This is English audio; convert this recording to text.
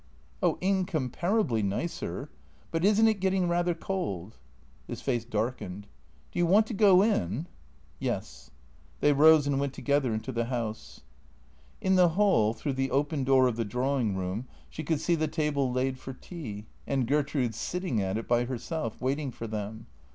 Oh, incomparably nicer. But is n't it getting rather cold ?" His face darkened. " Do you want to go in ?"" Yes." They rose and went together into the house. In the hall, through the open door of the drawing room, she could see the table laid for tea, and Gertrude sitting at it by herself, waiting for them.